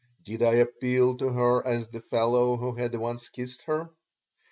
Did I appeal to her as the fellow who had once kissed her?